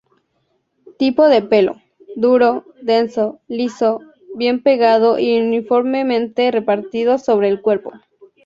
Tipo de pelo: duro, denso, liso, bien pegado y uniformemente repartido sobre el cuerpo.